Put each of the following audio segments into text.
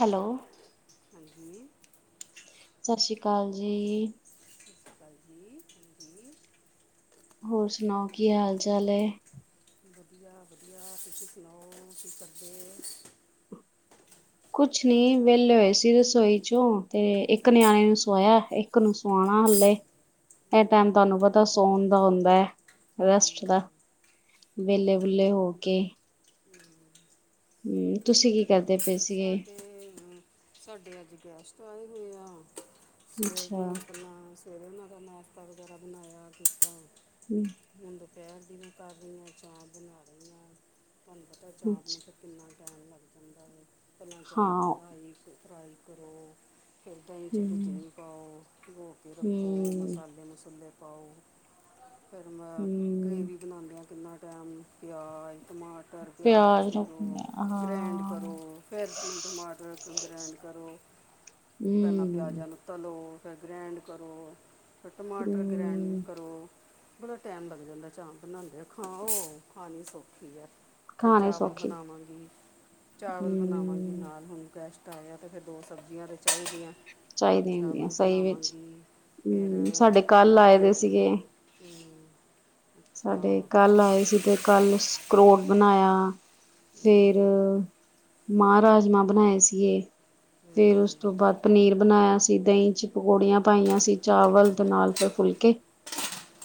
Hello, ਹਾਂਜੀ ਸ ਸ਼ੀ ਕਾਲ ਜੀ। ਕਾਲ ਜੀ, ਹਾਂਜੀ। ਹੋਰ ਸੁਨਾਉ ਕੀ ਹਾਲ ਚਾਲ ਏ? ਵਧੀਆ, ਵਧੀਆ। ਤੁਸੀਂ ਸੁਣਾਔ ਕੀ ਕਰਦੇ। ਕੁਛ ਨੀ ਵੇਲੇ ਹੋਏ ਸੀ ਰਸੋਈ ਚੋਂ, ਤੇ ਇੱਕ ਨਿਆਣੇ ਨੂੰ ਸਵਾਇਆ ਇੱਕ ਨੂੰ ਸਵਾਣ। ਹਾਲੇ, ਇਹ ਟਾਈਮ ਤੁਹਾਨੂੰ ਪਤਾ ਸੋਣ ਦਾ ਹੁੰਦਾ ਏ ਰੈਸਟ ਹਮ, ਦਾ। ਵੇਲੇ ਵੂਲੇ ਹੋ ਕੇ ਹੁੰ ਤੁਸੀਂ ਕੀ ਕਰਦੇ ਹਮ, ਪਏ ਸੀਗੇ ਸਾਡੇ ਸਾਡੇ ਅੱਜ ਗੈਸਟ ਆਏ ਹੋਏ ਆ। ਸਵੇਰ ਅੱਛਾ ਦੇ ਆਪਨਾ ਸਵੇਰੇ ਔਨਾਂ ਦਾ ਨਾਸ਼ਤਾ ਵਗੈਰਾ ਬਣਾਇਆ ਕੀਤਾ ਹੁੰ। ਹੁਣ ਦੁਪਹਿਰ ਦੀ ਮੈਂ ਕਰ ਰਹੀ ਹਾਂ ਚਾਂਪ ਬਣਾ ਰਹੀ ਹਾਂ, ਤੁਹਾਨੂੰ ਪਤਾ ਚਾਂਪ ਨਾਲ ਅੱਛਾ ਤਾਂ ਕਿੰਨਾ ਆਪਨਾ ਚਾਪ ਹਾਂ ਫਰਾਈ ਅ ਫਰਾਈ ਕਰੋ। ਫੇਰ ਦਹੀਂ ਚਚ ਹਮ ਭਿੱਜਣੀ ਪਾਔ, ਪੀਗੋ ਕੇ ਰੱਖੋ ਹਮ ਮਸਾਲੇ ਮਸੂਲੇ ਫੇਰ ਮੈਂ ਹਮ ਗ੍ਰੇਵੀ ਬਣਾਣਦਿਆਂ ਕਿੰਨਾ ਟਾਈਮ ਪਿਆਜ਼ ਟਮਾ ਪਰ ਪਿਆਜ਼ ਪਿਆਜ ਛੂਰੋ, ਰੱਖਣੇ ਗ੍ਰੈਂਡ ਹਾਂ ਕਰੋ [unintelligible] ਟਮਾਟਰ ਗਰੈਂਡ ਕਰੋ, ਪਹਿਲਾਂ ਹਮ ਪਿਆਜਾਂ ਨੂੰ ਤਲੋ। ਕਰੋ ਫਿਰ ਗ੍ਰੈਂਡ ਕਰੋ, ਫਿਰ ਟਮਾਟਰ ਗ੍ਰੈਂਡ ਹਮ ਕਰੋ। ਬੜਾ ਟਾਈਮ ਲੱਗ ਜਾਂਦਾ ਚਾਹ ਬਣਾਦਿਆ, ਖਾਓ ਖਾਣੀ ਸੌਖੀ ਹੈ। ਫੇਰ ਖਾਣੇ ਚਾਵਲ ਸੌਖੇ ਬਣਾਵਾਂਗੀ, ਚਾਵਲ ਬਣਾਵਾਂਗੀ, ਹਮ ਨਾਲ ਹੁਣ ਗੈਸਟ ਤਆ ਤੇ ਫੇਰ ਦੋ ਸਬਜ਼ੀਆਂ ਤੇ ਚਾਹੀਦੀਆਂ। ਚਾਹੀਦੀਆਂ ਹੁੰਦੀਆਂ ਚਾਵਲ ਸਹੀ ਵਿੱਚ ਬਣਾਵਾਂਗੀ ਫਿਰ ਹੂੰ, ਸਾਡੇ ਕੱਲ ਆਏ ਦਹੀਂ ਦੇ ਚ ਸੀਗੇ। ਹ ਅੱਛਾ ਸਾਡੇ ਕੱਲ੍ਹ ਆਏ ਸੀ, ਤੇ ਕੱਲ ਸਕਰੋਟ ਬਣਾਇਆ। ਅਮ, ਫੇਰ ਮਾਂ ਰਾਜਮਾਂ ਬਣਾਏ ਸੀਗੇ। ਫੇਰ ਅਮ, ਉਸ ਤੋਂ ਬਾਅਦ ਪਨੀਰ ਬਣਾਇਆ ਸੀ। ਦਹੀਂ ਚ ਪਕੌੜੀਆਂ ਪਾਈਆਂ ਸੀ, ਚਾਵਲ ਦੇ ਨਾਲ ਫਿਰ ਫੁਲਕੇ।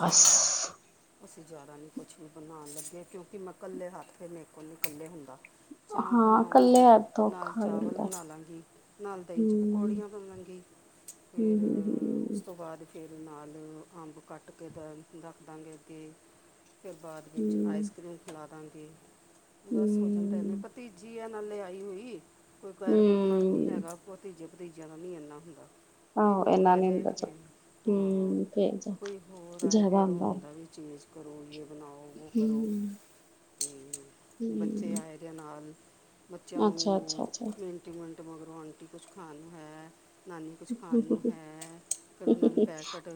ਬਸ। ਅਸੀਂ ਜ਼ਿਆਦਾ ਨਹੀਂ ਕੁਛ ਵੀ ਬਣਾਣ ਲੱਗੇ, ਕਿਉਂਕਿ ਮੈਂ ਕਲੇ ਹੱਥ ਮੇਰੇ ਕੋਲ ਨੀ ਕਲੇ ਹੁੰਦਾ। ਚਾਹ ਹਾਂ ਕੱਲੇ ਬਣਾਵਾਂਗੀ ਐ ਤਾਂ ਨਾਲ ਔਖਾ ਹੋ ਚਾਵਲ ਜਾਂਦਾ ਬਣਾ ਲਾਂਗੀ, ਨਾਲ ਦਹੀਂ 'ਚ ਪਕੌੜੀਆਂ ਪਾਵਾਂਗੀ। ਹੁੰ, ਹੁੰ, ਹੁੰ। ਫੇਰ, ਨਾਲ ਅੰਬ ਕੱਟ ਕੇ ਦ ਰੱਖ ਦਾਂਗੇ ਅੱਗੇ। ਫਿਰ ਬਾਅਦ ਵਿੱਚ ਹਮ ਆਈਸ ਕਰ੍ਰੀਮ ਖਿਲਾ ਦਾਂਗੇ, ਬਸ ਹੋ ਜਾਂਦਾ ਇਹਨਾ ਹਮ ਭਤੀਜੀ ਏ। ਨਾਲ ਲਿਆਈ ਹੋਈ। ਕੋਈ ਹਮ ਗੈਰ ਪਰੋਣਾ ਵੀ ਨੀ ਹਮ ਹੈਗਾ ਭਤੀਜੇ ਭਤੀਜਿਆਂ ਦਾ ਨੀ ਇੰਨਾ ਹੁੰਦਾ। ਕੋਈ ਆਹੋ ਹੋਰ ਇਹਨਾਂ ਆ ਨੀ ਜਾਏ ਹੁੰਦਾ ਚ ਫੇਰ ਹਾਂ, ਕੋਈ ਹੋਰ ਆਏ ਫੇਰ ਔ ਹੋਂਦਾ ਵੀ [unintelligible] ਕਰੋ ਯੇ ਹੁੰ। ਤੇ ਬੱਚੇ ਆਏ ਦੇ ਏ ਨਾਲ। ਬੱਚਿਆਂ ਨੁ [unintelligible] ਮਗਰੋਂ ਆਂਟੀ ਕੁਛ ਖਾਣ ਨੂੰ ਹੈ। ਨਾਨੀ ਕੁਛ ਖਾਣ ਨੂੰ ਹੈ। ਫੇਰ ਔਨਾਂ ਨੂੰ ਪੈਕਟ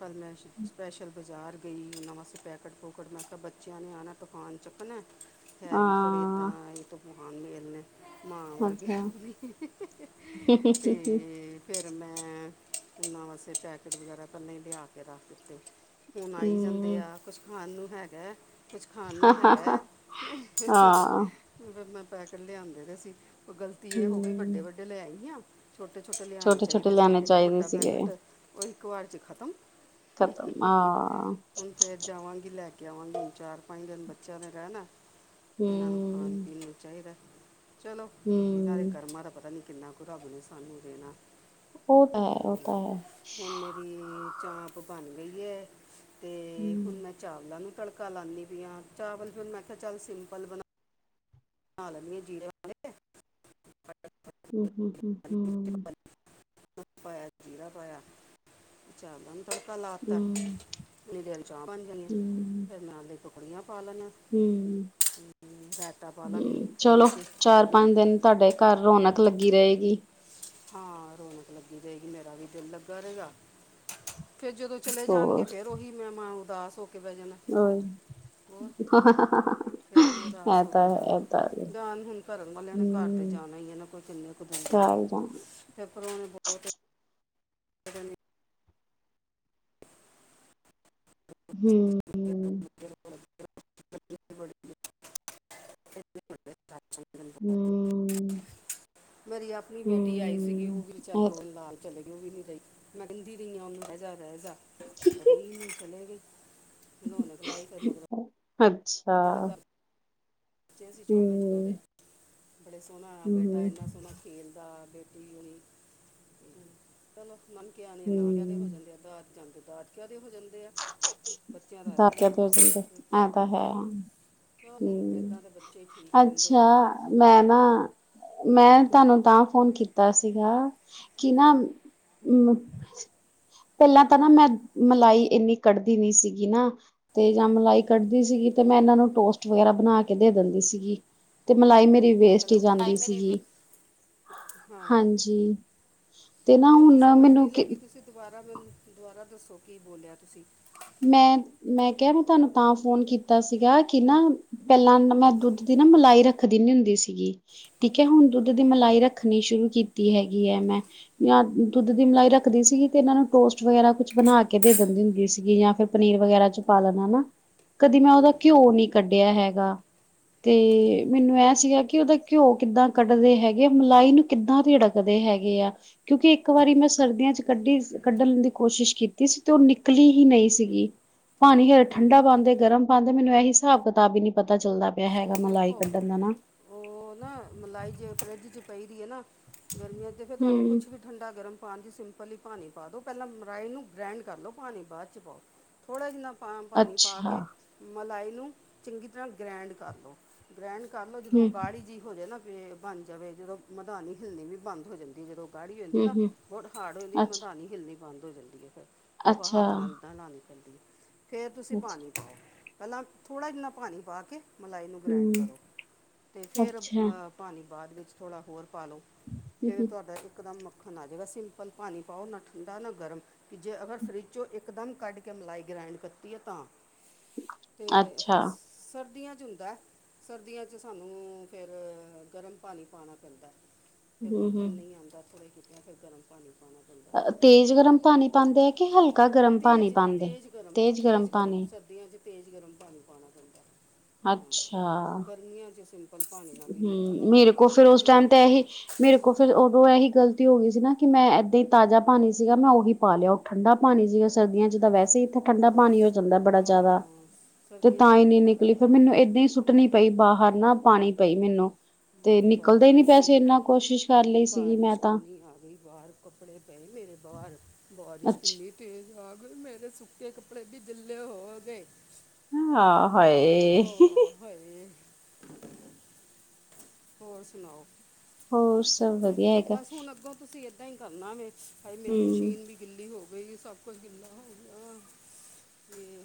ਕੱਲ੍ਹ ਮੈਂ ਸ਼ ਸ਼ਪੈਸ਼ਲ ਬਜ਼ਾਰ [unintelligible] ਬੱਚਿਆ ਨੇ ਆਣਾ ਤੇ ਤੂਫਾਨ ਚੱਕਣਾ, ਹੈ ਵੀ ਥੋੜੇ ਇੱਦਾਂ ਹੀ ਤੂਫਾਨ ਮੇਲ ਨੇ [unintelligible] ਫਿਰ ਮੈਂ ਉਹਨਾਂ ਵਾਸਤੇ ਪੈਕੇਟ ਵਗੈਰਾ ਪਹਿਲਾਂ ਹੀ ਲਿਆ ਕੇ ਰੱਖ ਦਿੱਤੇ ਹੁਣ ਆਈ ਜਾਂਦੇ। ਦੇ ਆ ਕੁਛ ਖਾਣ ਨੂੰ ਹੈਗਾ। ਕੁਛ ਖਾਣ ਨੂੰ ਹੈਗਾ ਮੈਂ ਪੈ ਕੇ ਲਿਆਦੇ ਰਹੇ ਸੀ। ਗਲਤੀ ਇਹ ਹੋ ਗਈ ਵੱਡੇ-ਵੱਡੇ ਲੈਈ ਆ ਛੋਟੇ-ਛੋਟੇ ਲਿਆਣੇ ਚਾਹੀਦੇ ਸੀ ਲੈਣੇ ਇੱਕ ਚਾਹੀਦੇ ਵੱਡਾ ਸੀਗੇ ਪੈਕਟ ਉਹ ਇੱਕ ਵਾਰ ਚ ਖ਼ਤਮ ਖਤਮ ਆਹ ਫਿਰ ਜਾਵਾਂਗੀ ਲੈ ਕੇ ਆਵਾਂਗੀ ਹੁਣ ਚਾਰ ਪੰਜ ਦਿਨ ਬੱਚਿਆਂ ਨੇ ਰਹਿਣਾ ਤੇ ਇਹਨਾਂ ਨੂੰ ਖਾਣ ਹਮ ਪੀਣ ਨੂੰ ਚਾਹੀਦਾ। ਚਲੋ ਇਹਨਾਂ ਦੇ ਹਮ ਕਰਮਾਂ ਦਾ ਪਤਾ ਨਹੀਂ ਕਿੰਨਾ ਕੁ ਰੱਬ ਨੇ ਸਾਨੂੰ ਦੇਣਾ। ਔ ਤਾਂ ਹੈ, ਔ ਤੇ ਤਾਂ ਹੈ। ਹੁਣ ਮੇਰੀ ਚਾਂਪ ਬਣ ਗਈ ਹੈ ਤੇ ਹੁਣ ਹਮ ਮੈਂ ਚਾਵਲਾਂ ਨੂੰ, ਤੜਕਾ ਲਾਂਦੀ ਪਈ ਹਾਂ ਚਾਵਲ ਵੀ ਮੈਂ ਕਿਹਾ ਚੱਲ ਸਿੰਪਲ ਬਣਾ। ਬਣਾ ਲੈਦੀ ਹਾਂ ਜੀਰੇ ਵਾਲੇ ਹੂੰ-ਹੂੰ-ਹੂੰ-ਹੂੰ, [inaudible] ਤੜਕਾ ਲਾ ਤਾ ਹਮ, ਜਿਰੇ [inaudible] ਹੂੰ, ਰਾਇਤਾ ਪਾ ਲਾਂਗੀ ਹੂੰ, ਦਹੀਂ ਚਲੋ ਤੇ ਚਾਰ ਪਕੌੜੀਆਂ ਪੰਜ ਦਿਨ ਤੁਹਾਡੇ ਘਰ ਰੌਨਾਕ ਲੱਗੀ ਰਹੇਗੀ ਹਾਂ ਰੌਣਕ ਲੱਗੀ ਰਹੇਗੀ ਮੇਰਾ ਵੀ ਦਿਲ ਲੱਗਾ ਰਹੇਗਾ ਫੇਰ ਜਦੋਂ ਚਲੇ ਜਾਣਗੇ ਹੋਰ ਫੇਰ ਉਹੀ ਮੈਂ ਮਾਂ ਉਦਾਸ ਹੋ ਕੇ ਬਹਿ ਜਾਣਾ [unintelligible] ਫੇਰ ਮੈਂ ਉਦਾਸ ਹੋ ਹੈ ਇਹ ਤਾਂ ਹੈ ਜਾਣਾ ਹੁਣ ਕਰਨ ਵਾਲਿਆਂ ਨੇ ਘਰ ਤੇ ਹਮ ਜਾਣਾ ਇਹ ਨਾ ਕੋਈ ਕਿੰਨੇ ਕੁ ਦੂਰ [inaudible] ਪੇਪਰਵਾਣੇ ਬਹੁਤ [inaudible] ਹੂੰ -ਹੂੰ। [inaudible] ਹਮ ਮੇਰੀ ਆਪਣੀ ਬੇਟੀ ਆਈ ਸੀਗੀ, ਹਮ ਉਹ ਵੀ ਚੱਲ ਇਹ ਦੋ ਨਾਲ ਚਲੇ ਗਈ ਉਹ ਵੀ ਨਹੀ ਰਹੀ, ਮੈਂ ਕਹਿੰਦੀ ਰਹੀ, ਉਹਨੂੰ ਰਹਿ ਜਾ- ਰਹਿ ਜਾ, ਤਾਂ- ਰਹੀ ਨਹੀਂ ਚਲੇ ਗਈ। ਹੁਣੋ ਮਲਾਈ ਫਿਰ ਮਗਰੋਂ ਅੱਛਾ। ਬੱਚੇ ਸੀ ਹਮ ਛੋਟੇ-ਛੋਟੋ, ਬੜੇ ਸੋਹਣਾ ਬੇਟਾ ਹਮ ਇੰਨਾ ਸੋਹਣਾ ਖੇਲਦਾ ਬੇਟੀ ਹੋਈ ਚਲੋ, ਮਨ ਕਿਆ ਨਾਨਕ ਕਿਆ ਦੇ ਹੋ ਹਮ ਜਾਂਦੇ ਦਾਦਕਿਆ ਦਾਦਕਿਆਂ ਦੇ ਹੋ ਜਾਂਦੇ ਆ ਬੱਚਿਆਂ ਦਾ ਇਹ ਦਾਦਕਿਆਂ ਆ ਦੇ ਹੋ ਜਾਂਦੇ ਐ ਤਾਂ ਹੈ ਹੋਰ ਚਲ ਹੂੰ ਇਦਾਂ ਦੇ ਬੱਚੇ ਹੀ ਠੀਕ ਰਹਿੰਦੇ ਅੱਛਾ, ਆ ਮੈਂ ਨਾ ਮੈਂ ਹਾਂ ਤੁਹਾਨੂੰ ਤਾਂ ਫੋਨ ਕੀਤਾ। ਕੀਤਾ ਸੀਗਾ ਕਿ ਨਾ ਪਹਿਲਾਂ ਤਾਂ ਨਾ ਮੈਂ ਮਲਾਈ ਇੰਨੀ ਕੱਢਦੀ ਨੀ ਸੀਗੀ ਨਾ ਤੇ ਜਾਂ ਮਲਾਈ ਕੱਢਦੀ ਸੀਗੀ ਤੇ ਮੈਂ ਇਹਨਾਂ ਨੂੰ ਟੋਸਟ ਵਗੈਰਾ ਬਣਾ ਕੇ ਦੇ ਦਿੰਦੀ ਸੀਗੀ ਤੇ ਮਲਾਈ ਮੇਰੀ ਵੇਸਟ ਹੀ ਹੈਲੋ ਟਾਈ ਜਾਂਦੀ ਮੇਰੀ ਵੇ- ਸੀਗੀ ਹਾਂ ਹਾਂਜੀ। ਤੇ ਨਾ ਮੈਨੂੰ ਹੁਣ ਸਮਝ ਨੀ ਮੈਨੂੰ ਕਿ ਲੱਗੀ ਤੁਸੀਂ ਦੁਬਾਰਾ ਮੈਨੂੰ ਦੁਬਾਰਾ ਦੱਸੋ ਕੀ ਬੋਲਿਆ ਤੁਸੀਂ? ਮੈਂ, ਮੈਂ ਕਿਹਾ ਮੈਂ ਤੁਹਾਨੂੰ ਤਾਂ ਫੋਨ ਕੀਤਾ ਸੀਗਾ ਕਿ ਨਾ ਪਹਿਲਾਂ ਮੈਂ ਦੁੱਧ ਦੀ ਮੈਂ ਨਾ ਮਲਾਈ ਰੱਖਦੀ ਨੀ ਹੁੰਦੀ ਸੀਗੀ ਠੀਕ ਹੈ, ਹੁਣ ਦੁੱਧ ਦੀ ਮਲਾਈ ਰੱਖਣੀ ਸ਼ੁਰੂ ਕੀਤੀ ਹੈਗੀ ਹੈ ਮੈਂ। ਮੈਂ ਜਾਂ ਦੁੱਧ ਦੀ ਮਲਾਈ ਰੱਖਦੀ ਸੀਗੀ ਤੇ ਇਹਨਾਂ ਨੂੰ ਟੋਸਟ ਵਗੈਰਾ ਕੁਛ ਬਣਾ ਕੇ ਦੇ ਦਿੰਦੀ ਹੁੰਦੀ ਸੀ। ਜਾਂ ਫਿਰ ਪਨੀਰ ਵਗੈਰਾ 'ਚ ਪਾ ਲੈਣਾ ਨਾ ਕਦੀ ਮੈਂ ਉਹਦਾ ਘਿਓ ਨੀ ਕੱਢਿਆ ਹੈਗਾ ਤੇ ਮੈਨੂੰ ਇਹ ਸੀਗਾ ਕਿ ਉਹਦਾ ਘਿਓ ਕਿੱਦਾਂ ਕੱਢਦੇ ਹੈਗੇ ਆ ਮਲਾਈ ਨੂੰ ਕਿੱਦਾਂ ਰਿੜਕਦੇ ਹੈਗੇ ਆ ਕਿਉਂਕਿ ਇੱਕ ਇੱਕ ਵਾਰੀ ਮੈਂ ਸਰਦੀਆਂ 'ਚ ਕੱਢੀ ਕੱਢਣ ਦੀ ਕੋਸ਼ਿਸ਼ ਕੀਤੀ ਸੀ। ਤੇ ਉਹ ਨਿਕਲੀ ਨਹੀਂ। ਹੀ ਨਹੀਂ ਸੀਗੀ, ਪਾਣੀ ਹੇਠ ਠੰਢਾ ਪਾਉਂਦੇ ਗਰਮ ਪਾਉਂਦੇ ਮੈਨੂੰ ਇਹ ਹਿਸਾਬ- ਕਿਤਾਬ ਹੀ ਨਹੀਂ ਪਤਾ। ਚੱਲਦਾ ਪਿਆ ਹੈਗਾ ਮਲਾਈ ਦੇਖੋ ਕੱਢਣ ਦਾ ਨਾ। ਉਹ ਨਾ ਮਲਾਈ ਜੇ ਫਰਿੱਜ 'ਚ ਪਈਦੀ ਹੈ ਨਾ ਗਰਮੀਆਂ ਚ ਫਿਰ ਤੇ ਤੁਹਾਨੂੰ ਹੂੰ। ਕੁਛ ਵੀ ਠੰਡਾ-ਗਰਮ ਪਾਣੀ, ਸਿੰਪਲ ਪਾਣੀ ਪਾ ਦਿਉ, ਪਹਿਲਾਂ ਮਲਾਈ ਨੂੰ ਗ੍ਰੈਂਡ ਕਰ ਲਉ, ਪਾਣੀ ਬਾਅਦ ਚ ਪਾਓ ਥੋੜ੍ਹਾ ਜਿਹਾ ਨਾ। ਪਾ ਪਾਣੀ ਪਾ ਅੱਛਾ, ਕੇ ਮਲਾਈ ਨੂੰ ਚੰਗੀ ਤਰ੍ਹਾਂ ਗ੍ਰੈਂਡ ਕਰ ਲਓ ਗ੍ਰੈਂਡ ਕਰਲੋ ਜਦੋਂ ਹੂੰ, ਗਾੜੀ ਜਿਹੀ ਹੋ ਜਾਵੇ ਤੇ ਬਣ ਜਾਵੇ ਜਦੋਂ ਮਧਾਨੀ ਹਿੱਲਣੀ ਵੀ ਬੰਦ ਹੋ ਜਾਂਦੀ ਜਦੋਂ ਗਾੜੀ ਹੋ ਜਾਂਦੀ ਹੂੰ, ਨਾ ਹੂੰ, ਬਹੁਤ ਹਾੜ ਹੋ ਜਾਂਦੀ ਹੈ, ਅੱਛਾ, ਮਧਾਨੀ ਹਿਲਣੀ ਬੰਦ ਹੋ ਜਾਂਦੀ ਹੈ। ਫੇਰ ਉਹ ਅੱਛਾ, ਹੱਥ ਨਾਲ ਇਦਾਂ ਹਿਲਾਣੀ ਫੇਰ ਤੁਸੀਂ ਅੱਛਾ, ਪਾਣੀ ਪਾਓ, ਪਹਿਲਾਂ ਥੋੜ੍ਹਾ ਜਿਨਾਂ ਪਾਣੀ ਪਾ ਕੇ ਮਲਾਈ ਨੂੰ ਗ੍ਰੈਂਡ ਹੂੰ। ਕਰੋ ਅਤੇ ਫਿਰ ਅੱਛਾ, ਅਹ ਪਾਣੀ ਬਾਅਦ ਵਿੱਚ ਥੋੜ੍ਹਾ ਹੋਰ ਪਾ ਲਉ, ਹੂੰ, ਫਿਰ ਹੂੰ, ਤੁਹਾਡਾ ਇੱਕਦਮ ਮੱਖਣ ਆ ਜਾਵੇਗਾ। ਸਿੰਪਲ ਪਾਣੀ ਪਾਓ, ਨਾ ਠੰਡਾ ਨਾ ਗਰਮ। ਜੇ ਅਗਰ ਫਰਿਜ਼ ਚੋਂ ਇਕਦਮ ਕੱਢ ਕੇ ਮਲਾਈ ਗ੍ਰਇਡ ਕੀਤੀ ਹੈ ਤਾਂ। ਤੇ ਅੱਛਾ, ਸਰ ਹੁੰਦਾ ਸਰਦੀਆਂ ਵਿੱਚ ਸਾਨੂੰ ਫੇਰ ਗਰਮ ਪਾਣੀ ਪਾਉਣਾ ਪੈਂਦਾ ਹੈ। ਫੇਰ ਹੂੰ, ਮੱਖਣ ਹੂੰ। ਨਹੀਂ ਆਉਂਦਾ, ਥੋੜ੍ਹਾ ਹੀ ਕੀਤਾ ਫਿਰ ਗਰਮ ਪਾਣੀ ਪਾਣਾ ਪੈਂਦਾ ਹੈ। ਅਹ ਤੇਜ਼ ਗਰਮ ਪਾਣੀ ਪਾਉਂਦੇ ਹੈ ਕਿ ਹਲਕਾ ਗਰਮ ਪਾਣੀ ਤੇਜ਼ ਪਾਉਂਦੇ ਹੈ? ਤੇਜ਼ ਗਰਮ ਤੇਜ਼ ਗਰਮ ਪਾਣੀ। ਸਰਦੀਆਂ 'ਚ ਤੇਜ਼ ਗਰਮ ਪਾਣੀ ਪਾਉਣਾ ਪੈਂਦਾ ਹੈ। ਅੱਛਾ। ਪਾਣੀ ਨਾਲ ਵੀ ਮੱਖਣ ਹੂੰ, ਉਹ ਮੇਰੇ ਕੋਲ ਗਰਮੀਆਂ 'ਚ ਤਾਂ ਫੇਰ ਬੜੀ ਉਸ ਜਲਦੀ ਟਾਈਮ ਤੇ ਨਿਕਲ ਇਹੀ ਜਾਂਦਾ ਮੇਰੇ ਕੋਲ ਫੇਰ ਉਦੋਂ ਇਹੀ ਗਲਤੀ ਗਲਤੀ ਹੋ ਗਈ ਸੀ ਨਾ ਕਿ ਮੈਂ ਇੱਦਾਂ ਹੀ ਤਾਜ਼ਾ ਪਾਣੀ ਸੀਗਾ ਮੈਂ ਉਹੀ ਪਾ ਲਿਆ ਉਹ ਠੰਡਾ ਪਾਣੀ ਸੀਗਾ ਸਰਦੀਆਂ ਚ ਤਾਂ ਵੈਸੇ। ਠੰਢਾ ਪਾਣੀ। ਹੋ ਜਾਂਦਾ ਬੜਾ ਜ਼ਿਆਦਾ ਹਾਂ ਤੇ ਸਰਦੀਆਂ 'ਚ ਤਾਂ ਹੀ ਗਰਮ ਨੀ ਪਾਣੀ ਨਿਕਲੀ ਫਿਰ ਪਾਈਦਾ ਮੈਨੂੰ ਏਦਾਂ ਹੀ ਸੁੱਟਣੀ ਪਈ ਬਾਹਰ। ਨਾ ਪਾਉਣੀ ਪਈ ਮੈਨੂੰ ਤੇ ਹਮ, ਬਾਹਰ ਨਿਕਲਦੇ ਹੀ ਨੀ ਕਿੰਨੀ ਪਇਆ ਤੇਜ਼ ਸੀ ਇੰਨਾ ਕੁਛ। ਬਾਰਿਸ਼ ਕਿੰਨੀ ਆ ਗਈ ਬਾਹਰ ਕੱਪੜੇ ਪਏ ਮੇਰੇ ਬਾਹਰ ਬਾਰਿਸ਼ ਅੱਛਾ ਕਿੰਨੀ ਤੇਜ਼ ਤੇ ਜਵਾਕ ਵੀ ਮੇਰੇ ਸੁੱਕੇ ਕੱਪੜੇ ਵੀ ਗਿੱਲੇ ਹੋ ਗਏ। ਆਹ ਹਾਂ ਹਾਏ। ਹੋਰ ਸੁਨਾਓ? ਹੋਰ ਸਭ ਫੇਰ ਵਧੀਆ ਹੈਗਾ ਬਸ ਹੁਨ ਅੱਗੋਂ ਤੁਸੀਂ ਏਦਾਂ ਹੀ ਕਰਨਾ ਵੇ, ਹਾਏ ਮੇਰੀ ਹੂੰ ਮਸ਼ੀਨ ਵੀ ਗਿੱਲੀ ਹੋ ਗਈ। ਬਈ, ਸਭ ਕੁਛ ਗਿੱਲਾ ਹੋ ਗਿਆ ਹੈ। ਤੇ?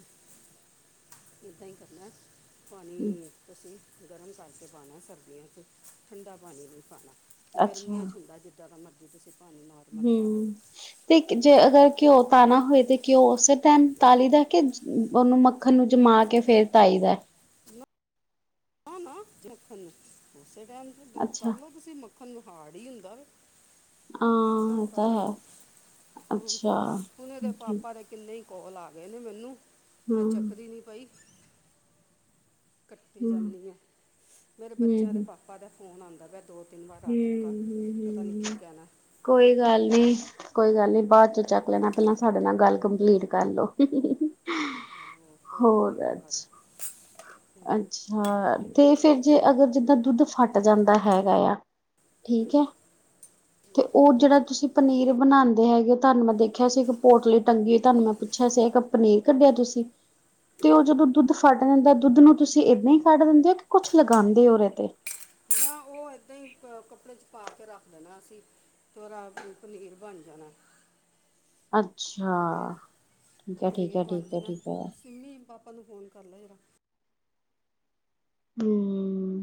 ਏਦਾਂ ਹੀ ਕੱਢਣਾ ਪਾਣੀ ਅਸੀਂ। [inaudible] ਗਰਮ ਕਰਕੇ ਪਾਨਾ ਸਰਦੀਆਂ 'ਚ, ਠੰਡਾ ਪਾਨੀ ਨਹੀਂ ਪਾਨਾ। ਅੱਛਾ ਗਰਮੀਆਂ 'ਚ ਹੁੰਦਾ ਜਿੱਦਾਂ ਦਾ ਮਰਜ਼ੀ ਤੁਸੀਂ। [unintelligible] ਪਾ ਲਓ ਹੂੰ ਤੇ ਇੱਕ 'ਚ ਅਗਰ ਘਿਓ ਪਾਨਾ ਹੋਏ ਤੇ। ਕਿ ਉਹ ਉਸੇ ਟਾਈਮ ਥਾਲੀ ਦਾ ਕੇ ਉਹਨੂੰ ਮੱਖਨ ਨੂੰ ਜਮਾ ਕੇ ਫੇਰ ਉਠਾਈ ਦਾ। ਨਾ ਨਾ ਨਾ ਮੱਖਨ ਨੂੰ ਉਸੇ ਟਾਈਮ 'ਚ ਅੱਛਾ ਕਰ ਲਓ, ਤੁਸੀਂ ਮੱਖਨ ਨੂੰ ਹਾੜ ਹੀ ਹੁੰਦਾ ਵਾ। ਹਾਂ, ਇਹ ਤਾਂ ਹੈ। ਹੂੰ, ਅੱਛਾ ਉਨ ਇਹਦੇ ਠੀਕ ਪਾਪਾ ਦੇ ਕਿੰਨੇ ਹੀ ਕੌਲ ਆ ਗਏ ਨੇ ਮੈਨੂੰ ਮੈਂ ਹੂੰ ਚੱਕਦੀ ਨਹੀਂ ਪਈ। ਕੱਟੀ ਹੂੰ ਜਾਣੀ ਹਾਂ ਮੇਰੇ ਬੱਚਿਆਂ ਦੇ ਹੂੰ ਪਾਪਾ ਦਾ ਫੋਨ ਆਉਂਦਾ ਪਿਆ ਦੋ ਤਿੰਨ ਵਾਰ ਹੂੰ ਆ ਚੁੱਕਾ, ਹੂੰ ਪਤਾ ਨੀ ਕੀ ਹੂੰ ਕਹਿਣਾ? ਕੋਈ ਗੱਲ ਨੀ ਕੋਈ ਗੱਲ ਨੀ ਬਾਅਦ ਚ ਚੱਕ ਲੈਣਾ, ਪਹਿਲਾਂ ਸਾਡੇ ਨਾਲ ਗੱਲ ਕੰਪਲੀਟ ਕਰ ਲੋ। ਉਹ ਕੋਈ ਨਹੀਂ ਹੋਰ ਕੋਈ ਨਹੀਂ ਕਰ ਜੀ। ਅੱਛਾ, ਤੇ ਫਿਰ ਜੇ ਅਗਰ ਜਿੱਦਾਂ ਦੁੱਧ ਫਟ ਜਾਂਦਾ ਹੈਗਾ ਆ। ਠੀਕ ਹੈ। ਤੇ ਉਹ ਜਿਹੜਾ ਤੁਸੀਂ ਪਨੀਰ ਬਣਾਉਂਦੇ ਹੈਗੇ, ਤੁਹਾਨੂੰ ਮੈਂ ਦੇਖਿਆ ਸੀ, ਇੱਕ ਪੋਟਲੀ ਟੰਗੀ ਹੋਈ ਤੁਹਾਨੂੰ ਮੈਂ ਪੁੱਛਿਆ ਸੀ ਪਨੀਰ ਕੱਢਿਆ ਤੁਸੀਂ, ਤੇ ਉਹ ਜਦੋਂ ਦੁੱਧ ਫਟ ਜਾਂਦਾ ਦੁੱਧ ਨੂੰ ਤੁਸੀਂ ਏਦਾਂ ਹੀ ਕੱਢ ਦਿੰਦੇ ਹੋ ਕਿ ਕੁਛ ਲਗਾਉਂਦੇ ਹੋ ਉਹਦੇ ਤੇ। ਨਾ ਉਹ ਇਦਾਂ ਹੀ ਕੱਪੜੇ ' ਪਾ ਕੇ ਰੱਖ ਦੇਣਾ ਅਸੀਂ ਦਾ ਪਨੀਰ ਬਣ ਜਾਣਾ। [inaudible] ਅੱਛਾ, ਹਾਂ ਠੀਕ ਉਹ ਐ, ਠੀਕ ਐ, ਠੀਕ ਐ, ਠੀਕ ਐ। ਤੁਹਾਨੂੰ ਫੋਨ ਕਰ ਲੈ ਜਹੜ ਹਮ!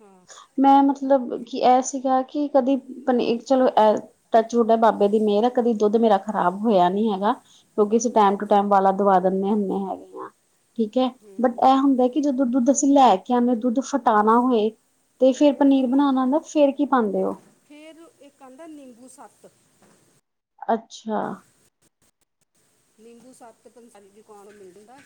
ਹਾਂ। ਮੈਂ ਮਤਲਬ ਕਿ, ਇਹ ਸੀਗਾ ਕਿ, ਕਦੀ ਪਨੀ ਚਲੋ ਇਹ ਟੱਚ ਹਡਾ ਬਾਬੇ ਦੀ ਮੇਰਾ ਕਦੀ ਦੁੱਧ ਮੇਰਾ ਖਰਾਬ ਹੋਇਆ ਨੀ ਹੈਗਾ, ਕਿਉਂਕਿ ਅਸੀਂ ਟੈਮ ਟੂ ਟਾਈਮ ਵਾਲਾ ਦਵਾ ਦਿੰਨੇ ਹੁੰਨੇ ਹੈਗੇ ਆਂ। ਠੀਕ ਐ! ਬਟ ਇਹ ਹੁੰਦਾ ਕਿ ਜਦੋਂ ਦੁੱਧ ਅਸੀਂ ਲੈ ਕੇ ਆਉਨੇ ਦੁੱਧ ਫਟਾਉਨਾ ਹੋਏ ਤੇ ਫੇਰ ਉਹ ਫੇਿਰ ਪਨੀਰ ਨਾ, ਬਣਾਉਣਾ ਆਉਂਦਾ ਫੇਰ ਕੀ ਪਾਉਂਦੇ ਹੋ ਫੇਰ ਇੱਕ ਆਹਦਾ ਨਿੰਬੂ ਸੱਤ [unintelligible] ਅੱਛਾ। ਨਿੰਬੂ ਸੱਤ ਪੰਤਾਲੀ ਦੁਕਾਨ ਮਿਲ ਜਾਂਦਾ,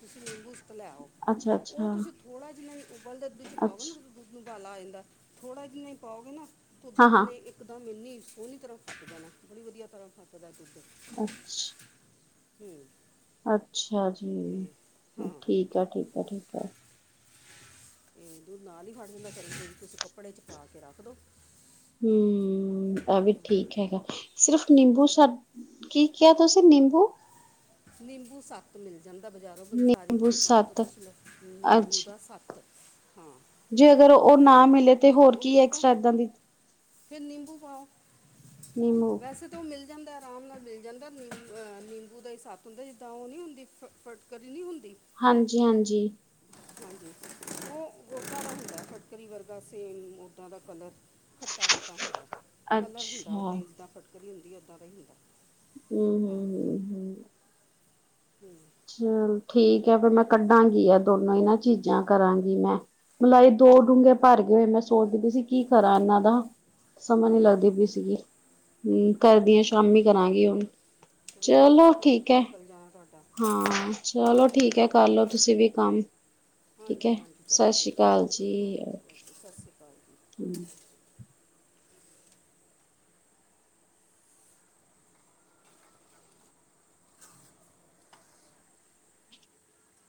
ਤੁਸੀਂ ਨਿੰਬੂ ਲੈਓ ਅੱਛਾ ਓ ਅੱਛਾ ਤੁਸੀਂ ਥੋੜਾ ਜਿਹਾ ਵੀ ਉਬਲਦੇ ਦੁੱਧ ਚ ਪਾਓਗੇਂ, ਅੱਛਾ ਦੁੱਧ ਨੂੰ ਗਾਲਾ ਆ ਜਾਂਦਾ। ਥੋੜਾ ਜਹੀਨ ਹੀ ਪਾਓਗੇ ਨਾ ਤ ਹਾਂ ਦੁੱਧ ਹਾਂ ਨੇ ਇੱਕਦਮ ਮੰਨੀ ਸੋਹਣੀ ਤਰ੍ਹਾਂ ਫੱਟਦਾ ਨਾ, ਬੜੀ ਵਧੀਆ ਤਰ੍ਹਾਂ ਫੱਟਦਾ ਦੁੱਧ। ਅੱਛਾ! ਹਮ। [inaudible] ਅੱਛਾ ਜੀ, ਹਾਂ ਠੀਕ ਆ, ਠੀਕ ਆ, ਠੀਕ ਆ। ਇਹ ਤੂੰ ਨਾਲ ਹੀ ਫੜ ਦਿੰਦਾ ਚਰਨ ਦੇ, ਵੀ ਤੁਸੀਂ ਕੱਪੜੇ ਚ ਪਾ ਕੇ ਰੱਖ ਦੋ। [unintelligible] ਹਮ! ਇਹ ਵੀ ਠੀਕ ਹੈਗਾ। ਸਿਰਫ਼ ਨਿੰਬੂ ਸਾਡ ਕੀ ਕਿਹਾ ਤੁਸੀਂ ਨਿੰਬੂ ਨਿੰਬੂ ਸੱਤ ਮਿਲ ਜਾਂਦਾ ਬਜ਼ਾਰੋਂ ਬੰਸਾਰੀ ਨਿੰਬੂ ਦੁਕਾਨ ਤੋਂ, ਸੱਤ ਤੁਸੀ ਲ ਅੱਜ ਨਿੰਬੂ ਦਾ ਸੱਤ। ਜੇ ਅਗਰ ਉਹ ਨਾ ਮਿਲੇ ਤੇ ਉਹ ਹੋਰ ਉਹ ਕੀ ਹੈ ਪਤਾ ਐਕਸਟਰਾ ਏਦਾਂ ਦੀ ਫਿਰ ਨਿੰਬੂ ਪਾਓ। ਨਿੰਬੂ ਵੈਸੇ ਤਾਂ ਉਹ ਮਿਲ ਜਾਂਦਾ ਆਰਾਮ ਨਾਲ ਮਿਲ ਜਾਂਦਾ। ਨਹ ਨਿੰਬੂ ਦਾ ਹੀ ਸਾੱਥ ਹੁੰਦਾ ਜਿੱਦਾਂ ਉਹ ਨੀ ਹੁੰਦੀ ਫਟਕੀ ਨੀ ਹੁੰਦੀ ਹਾਂਜੀ ਹਾਂਜੀ। ਹਾਂਜੀ [inaudible] ਉਹ ਗੋਦਾਂ ਦਾ ਹੁੰਦਾ ਫਟਕਰੀ ਵਰਗਾ ਸੇਮ ੋਦਾਂ ਦਾ ਕਲਰ ਖੱਟਾ ਖੱਟਾ ਹੁੰਦਾ। [unintelligible] ਕਲਰ ਹੁੰਦਾ ਅੱਛਾ ਓਦਾਂ ਹੀ ਜਿੱਦਾਂ ਫਟਕਰੀ ਹੁੰਦੀ ਉਓਦਾਂ ਦਾ ਹੀ ਹੁੰਦਾ। [unintelligible] ਹਮ, ਹਾਂ ਹਮ, ਹਮ, ਹਮ! ਚਲ ਠੀਕ ਹੈ, ਫੇਰ ਮੈਂ ਕੱਢਾਂਗੀ ਆ ਦੋਨੋ ਹੀ ਨਾ ਚੀਜ਼ਾਂ ਕਰਾਂਗੀ ਮੈਂ। ਮਲਾਈ ਦੋ ਹਾਂ ਡੋਗੇ ਭਰ ਗਏ, ਹੋਏ ਮੈਂ ਸੋਚਦੀ ਸੀ ਕੀ ਕਰਾਂ ਇਹਨਾਂ ਦਾ। ਸਮਾਂ ਨੀ ਹੂੰ ਲੱਗਦੀ ਪਈ ਸੀਗੀ, ਹੂੰ ਕਰਦੀ ਸ਼ਾਮੀ ਕਰਾਂਗੀ ਹੁਣ। ਤੇ ਕਿੰਨਾ ਚਲੋ ਸਾਰਾ ਠੀਕ ਮੱਖਣ ਹੈ ਨਿਕਲ ਜਾਣਾ। ਤੁਹਾਡਾ ਹਾਂ, ਚਲੋ ਠੀਕ ਹੈ ਕਰਲਓ ਤੁਸੀਂ ਵੀ ਕੰਮ। ਠੀਕ ਹੈ ਹਾਂਜੀ-ਹਾਂਜੀ, ਚਲੋ ਸਤਿ ਸ੍ਰੀ ਠੀਕ ਹੈ, ਅਕਾਲ ਓਕੇ, ਓਕੇ, ਜੀ ਓਕੇ ਸਤਿ ਸ਼੍ਰੀ ਅਕਾਲ ਜੀ।